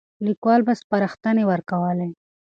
ليکوال به سپارښتنې ورکولې.